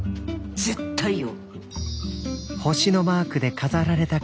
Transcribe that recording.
絶対よ。